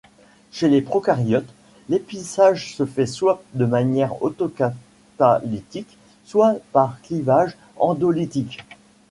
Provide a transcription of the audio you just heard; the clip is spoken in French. Chez les procaryotes, l'épissage se fait soit de manière autocatalytique soit par clivage endolytique.